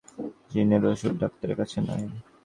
জিনের ওষুধ ডাক্তারের কাছে নাই।